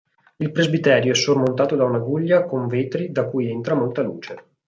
Il presbiterio è sormontato da una guglia con vetri da cui entra molta luce.